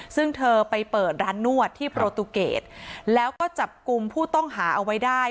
ซึ่งเธอไปเปิดร้านนวดที่โปรตูเกตแล้วก็จับกลุ่มผู้ต้องหาเอาไว้ได้